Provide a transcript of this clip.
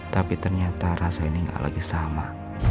tapi ternyata rasa ini tidak lagi sama